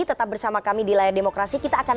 tetap bersama kami di layar demokrasi kita akan